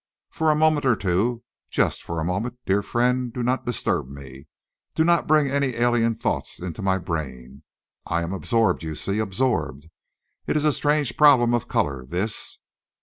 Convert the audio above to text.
For a moment or two, just for a moment, dear friend, do not disturb me. Do not bring any alien thoughts into my brain. I am absorbed, you see absorbed. It is a strange problem of colour, this."